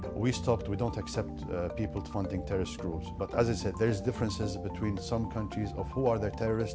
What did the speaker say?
kami berhenti kami tidak mengakibatkan orang orang yang mencari kudeta teroris